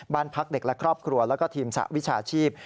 บ้านพักเด็กและครอบครัวแล้วก็ทีมสหวิชาชีพ